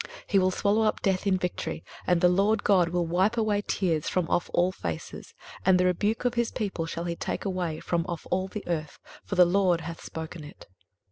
23:025:008 He will swallow up death in victory; and the Lord GOD will wipe away tears from off all faces; and the rebuke of his people shall he take away from off all the earth: for the LORD hath spoken it.